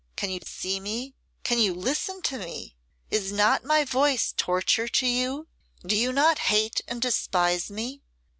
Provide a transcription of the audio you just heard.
Can you see me? Can you listen to me? Is not my voice torture to you? Do you not hate and despise me?